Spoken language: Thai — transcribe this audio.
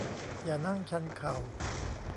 อย่านั่งชันเข่า